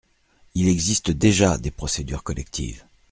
Il existe déjà des procédures collectives.